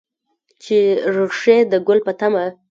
چې ریښې د ګل په تمه